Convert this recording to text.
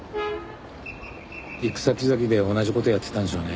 行く先々で同じ事やってたんでしょうね。